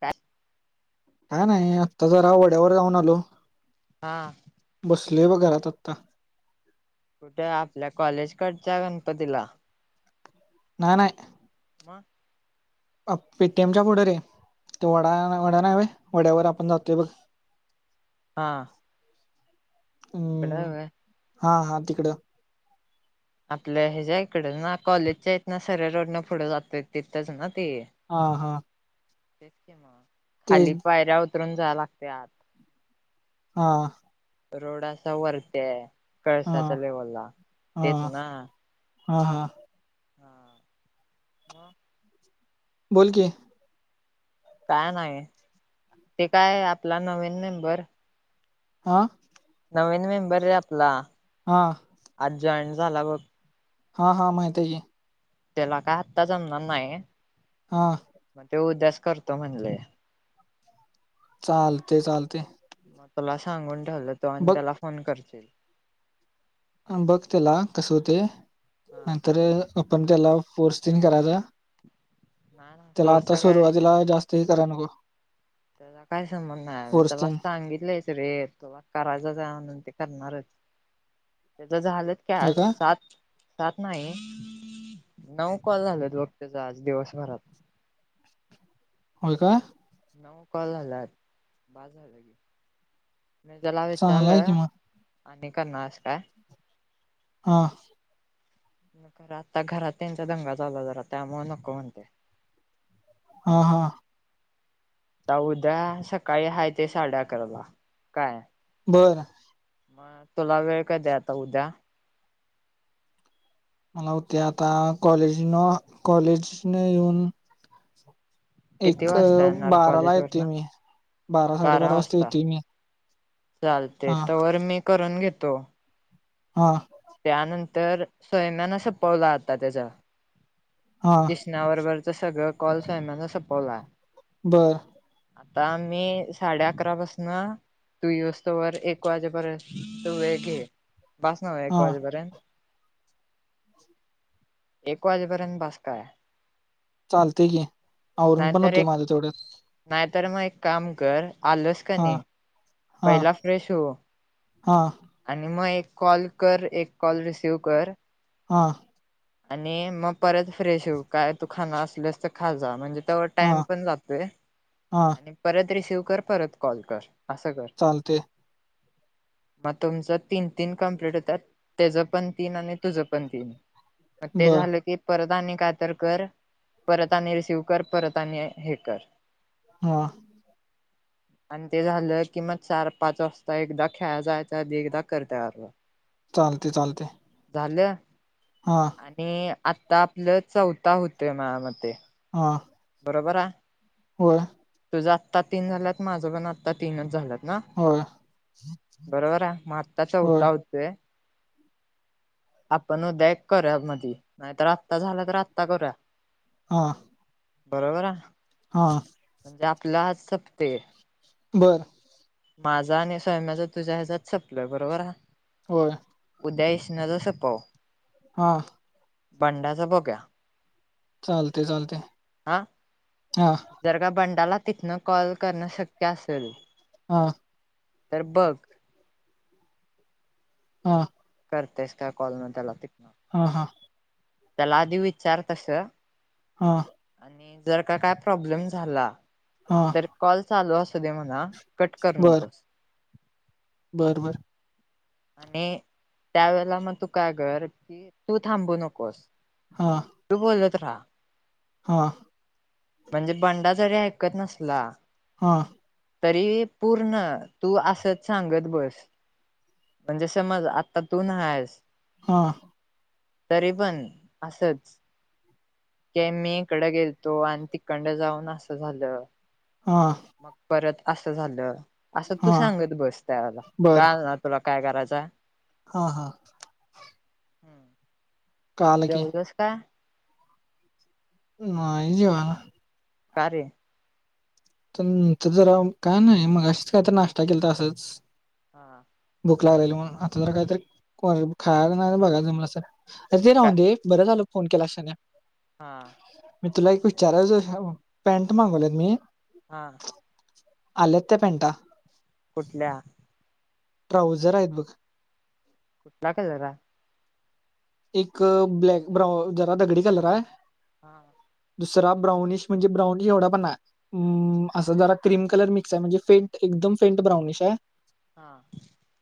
काय? काय नाही आता जरा वड्यावर जाऊन आलो. हा. बसलो बघ घरात आत्ता. कुठे आपल्या कॉलेजकडच्या गणपतीला? नाही नाही. मग. अ पेटीएमच्या बोडर आहे ते वडा वडा नाव आहे वड्यावर आपण जातोय बघ. [unintelligible] हा. तिकड हम्म होय हा मग तिकडं. आपल्या ह्याच्याया इकड ना कॉलेजच्या आहेत ना सऱ्या रोडनं पुढं जातोय तिथंच ना ती. हा हा. तेच की मग ते खाली पायऱ्या उतरून जा लागते आत. हा. रोड अस वरती हा कळसाच्या लेवलला तेच हा ना. हा हा. हा मग. बोल की. काय नाही ते काय आपला नवीन मेबर हा. नवीन मेंबर रे आपला हा. आज जॉईन झाला बघ हा हा माहित आहे की. त्याला काय आत्ता जमणार नाही. हा. मग ते उद्याच करतो म्हणलय. चालतय चालतय. मग तुला सांगून ठेवलं तो आणि त्याला फोन करशील. बघ त्याला कस होतय हा नाहीतर आपण त्याला फोर्स तेन करायचा नाही ना त्याला आता फोर्सचा काय सुरुवातीला जास्त हे कराय नको. त्याला काय संबंध नाही आता फोर्स त्याला तीन सांगितलंयच रे तुला करायचच आहे म्हणून ते करणारच त्याच झालं का सात सात नाही नऊ कॉल झाल्यात बघ त्याच आज दिवसभरात. होय का. नऊ कॉल झाल्यात बास झाल की. मी त्याला चांगला आहे की विचारलं मग आणि करणारस हाईस काय हां खर आता घरात त्यांचा दंगा चालू हाय जरा त्यामुळ नको म्हणतय. हा हा आता उद्या सकाळी हाय ते साडे अकराला काय बरं मग तुला वेळ कधी आता उद्या? मला उद्या आता कॉलेज न कॉलेजन येऊन किती एक वाजता येणार बाराला कॉलेज येते वरन? मी बारा साडेबारा वाजता येते मी चालतय हा तवर मी करून घेतो. हा त्यानंतर स्वयम्यान संपवला आता त्याच हा [unintelligible] सगळ कॉल स्माना सपवलाय. बरं आता मी साडे अकरा पसन तू येऊ सतोवर एक वाजेपर्यंत तू वेळ घे बासनव एक हा वाजेपर्यंत? एक वाजेपर्यंत बास काय? चालतय की आवरून पण नाहीतर होतय एक माझ तेवढ्यात. नाहीतर मग एक काम कर आलंस हा कणी हा पहिला फ्रेश हो हा आणि मग एक कॉल कर एक कॉल रिसिव कर हां आणि मग परत फ्रेश हू. मग काय तू खाणर असलस तर खा जा म्हणजे तवर हा टाइम पण जातोय हा आणि परत रिसीव कर परत कॉल कर, असं कर. चालतय. मग तुमचं तीन -तीन कंप्लीट होतात. त्येज पण तीन आणि तुझं पण तीन. म ते बर झालं की परत आणि काय तर कर, परत आणि रिसिव कर परत आणि हे कर. हा. आणि ते झालं. किंमान चार -पाच वाजता एकदा खेळाय जायच आणि एकदा [unintelligible] चालतय, चालतय. झाल? हा. आणि आता आपलं चौथा हुतय माझ्या मते. हा. बरोबर हा. होय. तुझ आत्ता तीन झाल्यात, माझं पण आत्ता तीनच झाल्यात. ना, होय बरोबर हा, म आत्ता चौथा होय होता हुतोय. आपण उद्या एक करूया मधी, नाहीतर आत्ता झाला तर आत्ता करूया. हा. बरबर हा. हा. म्हणजे आपल आज सपतेय. बरं. माझा आणि सम्याच तुझ्या हेच्यात सपलय बरोबर हा. होय. उदया विष्ण्याच सपाव. हा. बंडाचा बोग्या. चालतय, चालतय. हा, जर का बंडाला तिथनं कॉल करणं शक्य असल हा. तर बग. हा. करतेस काय म कॉल न त्याला तिथण. हा, हा. त्याला आधी विचार तस. हा. आणि जर का काय प्रॉब्लेम झाला. हा. तर कॉल चालू असू दे म्हणा कट कर नकोस. बरबर. आणि त्यावेेळेला मग तू काय कर, कि तू थांबू नको. हा तू बोलत राहा. हा म्हणजे बंडा जरी ऐकत नसला. हा. तरी पूर्ण तूं असंच सांगत बसं म्हणजे समजं आंत्ता तूूंना आहेस हां तरी पणं असंच की मी इकडं गेलतो आणि तिकंड जाऊंन असं झालं हां मंग परंत असं झालं असं हा तूं सांगत बसं त्यांला कां तुलां कायं करांयचा हां हां कळालं की जेवलसं कायं नाहीं इजीवां नां कारे तुझं तुझं जरां कांई नाहीं मंगाशीचं कायं तरं नाश्तां केलं तां तरं तंच हां भुकंलागली राहिल म्हणूंन आंता जरं कांहींतरी को खांयला नाहीं बघायचं मलां सरं अरे ते का राहूंन दे बरं झालं फोन केलां क्षाने हां मी तुलां एक विचारायचं पॅन्ट मागवलेत मी हां आल्यांत त्यां पॅन्टा कुंठल्या ट्राऊझंर आहेतं बघं लांकां जरां एक ब्लॅक ब्राउन जरां दगडी कलर आहे हां दुसरां ब्राऊनीश म्हणजे ब्राऊनिश एवढां पणं नाहीं मं असं जरां क्रीम कलर मिक्स आहे म्हणजे फेंट एकदंम फेंट ब्राउनिश आहे हां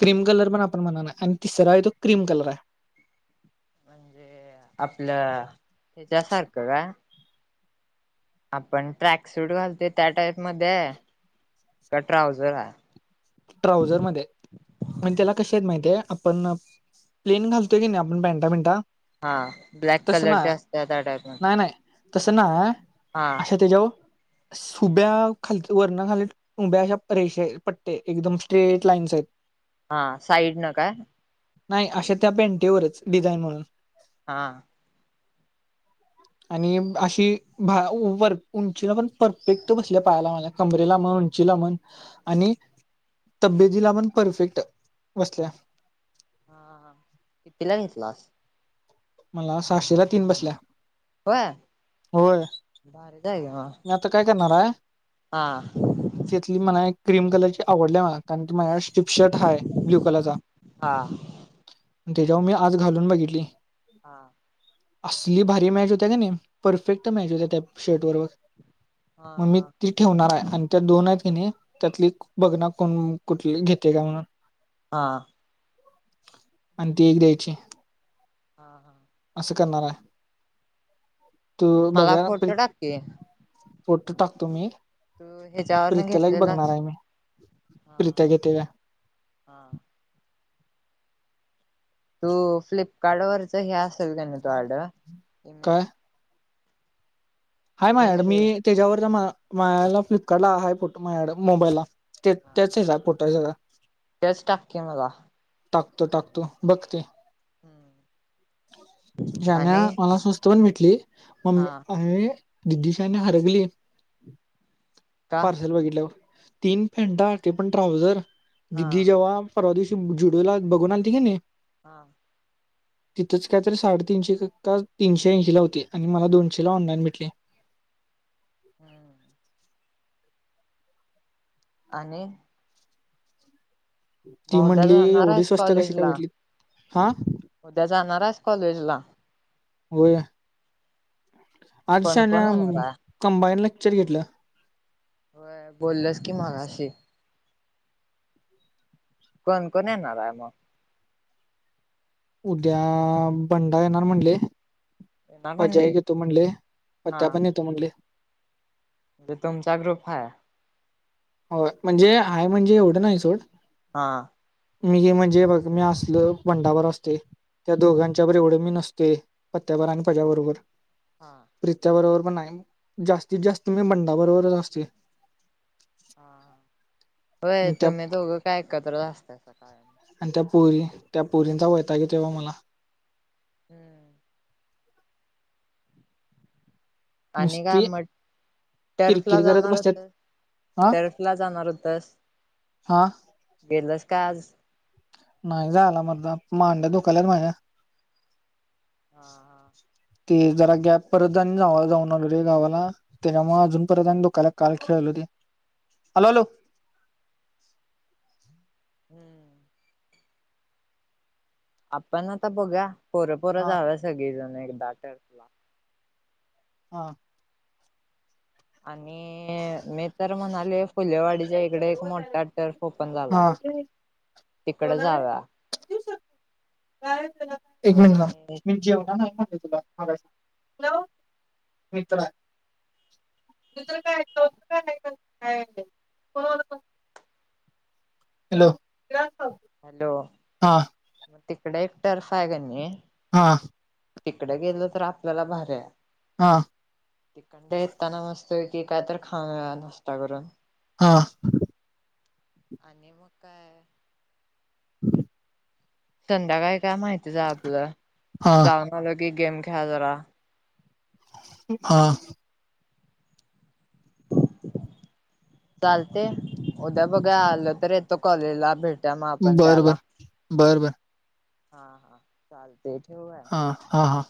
क्रीम कलर पणं आपणं म्हणांना आणि तिसरान आहे तो क्रीम कलर आहे म्हे आपलं त्या्ंयाच्यासारखं कां आपणं ट्रॅक सूंट घालते त्यां टाईपमध्यें आहे कां ट्राऊझंर आहे ट्राऊझंर मध्यें मणं त्यांला कशी आहेतं माहितीय आपणं प्लेन घालतोय की नाहीं आपणं पॅन्टा पॅन्टा हां ब्लॅक कलरच्या असत्यांत त्यां टाईप मध्यें नाही नाही तसं नाहीं अशा ते त्यांच्या वरं उभ्यां खाली वरनखांली उभ्यां अशा रेषा पट्ट्यां आहेतं एकदंम स्ट्रेट लाईन्स आहेतं हां साईड नं कायं नाहीं अशा त्यां पेंटिवरच डिझाईन म्हणूंन हां आणि अशी वरं उंचीला पणं परफेक्ट बसल्यां पायांला माझ्या कमरे लां म्हंण उंची लां म्हंण आणि तब्येतीला पणं परफेक्टं बसल्यां हां हां हां कितीलां घेतलांस मलां सहाशेला तीनं बसल्यां होय होय [unintelligible] आता काय करणार हाय? अं तिथली मला एक क्रीम कलर ची आवडली मला. कारण तो माझ्याकड टिपशर्ट हाय ब्ल्यू कलरचा. हा हा त्याच्यावर मी आज घालून बघितली. हा असली भारी मॅच होत्या का नाही, परफेक्ट मॅच होत्या त्या शर्ट बरोबर हा मग मी ती ठेवणार आहे. आणि त्या दोन आहेत की नाही त्यातली बघणार कोण कुठली घेतय काय म्हणून हं आणि ती एक द्यायची. हां हां.... असं करणार आहे तू मला बघा बी फोटो टाकते फोटो टाकतो मी, तू ह्याच्यावरन प्रीत्याला एक बघणार घेतलेलास आहे मी. प्रीत्या घेतय काय. हं तू फ्लिपकार्ट वरच हे असेल का नाही तू ऑर्डर काय [unintelligible] हाय इमेज मायकड, रे मी त्याच्यावर मायाला फ्लिपकार्ट ला आहे फोटो मायाकड मोबाईलला. हा मग [unintelligible] तेच टाक की मला. टाकतो टाकतो बघते, हम्म. शान्या आणि मला सुच [unintelligible] हा दिदी [unintelligible] का पार्सल बघितल्यावर तीन पॅन्टा ते पण ट्राऊझर हा दिदी जेव्हा परवा दिवशी जुडुला बघून आलती की नाही? हां [inaudible] तिथंच काय तरी, साडेतीनशे का तीनशे ऐंशी ला होती आणि मला दोनशे ला ऑनलाईन भेटली? हम्म आणि ती मग उद्या म्हणली, जाणार एवढी आहेस स्वस्त कशी काय कॉलेजला? भेटली? हं... उद्या जाणाराइस कॉलेजला? होय, आज कोण कोण शान्या येणार [unintelligible] आहे? कंमबाईन लेक्चर घेतलं. होय बोलल्यास की मगाशी. कोण कोण येणार आहे मग? उद्या बंडा येणार म्हणले. [unintelligible] येणार म्हणजे म्हणले आत्या पण येतो म्हणले.... ते तुमचा ग्रुप हाय... होय म्हणजे आहे म्हणजे एवढं नाही सोड... हं मी ही म्हणजे बघ मी असलो पंडाभर असतय.... त्या दोघांच्याबरोबर एवढे मी नसतेय, पत्त्यावर आणि पज्या बरोबर. हां प्रित्या बरोबर पण नाही, जास्तीत जास्त मी बंडा बरोबरच असते. [inaudible] व्हय त्या तुम्ही दोघं काय एकत्रच असतात कायम. अन त्या पोरी, त्या पोरींचा वैताग येतोय आम्हांला. ह्ह. आणि काय नुसती मट, टर्फला किरकिर करत जाणार बसत्यात होतं, टर्फ ला जाणार होतस? हां. गेलंस का आज? नाही जाणार मर्दा, मांड्या धुकाल्यात माझ्या. हा-हा. ते जरा गॅप परत [unintelligible] जाऊन आलो रे गावाला. त्याच्यामुळे अजून परत आंग दुखाल्यात काल खेळलो ते. आलो-आलो. [unintelligible] आपण आता बघुया, पोरं-पोरं हा जाऊया सगळी जण एकदा ट्रिपला. हा. आणि मी तर म्हणालो फुलेवाडीच्या इकडे एक मोठा टर्फ ओपन झाला, हा तिकडं जाऊया. [inaudible] एक मिनट थांब. आणि मी जेवणार नाही सांगतोय तुला. आवाज, हॅलो. मित्रा येतोय काय? हॅलो. [unintelligible] हॅलो, हा मग तिकडे एक टर्फ आहे का नि हा. तिकडे गेले तर आपल्याला भाऱ्या हा. तिकडणं येताना मस्त पैकी काय तर खाऊया नाश्ता गरम. हा. आणि मग काय [inaudible] संध्याकाळी काय माहितीचं हे आपलं, हा जाऊन आलं की गेम खेळा जरा. हा. चालतय, उद्या बघा आलं तर येतो कॉलेजला भेट त्यांना पण बर घाला. बर बर बर हा-हा चालतं ठेऊ हं, हा-हा.